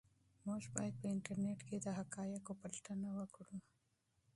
موږ باید په انټرنيټ کې د حقایقو پلټنه وکړو.